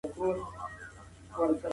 حکومت باید له مالدارو سره خبري وکړي.